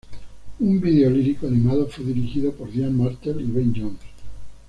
Un vídeo lírico animado fue dirigido por Diane Martel y Ben Jones.